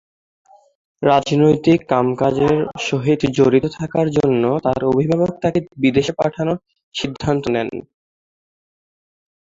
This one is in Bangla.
রাজনৈতিক কাম-কাজের সহিত জড়িত থাকার জন্য তার অভিভাবক তাকে বিদেশ পাঠানোর সিদ্ধান্ত নেন।